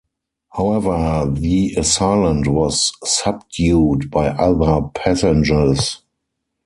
However, the assailant was subdued by other passengers.